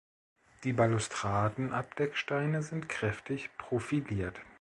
Die Balustraden-Abdecksteine sind kräftig profiliert.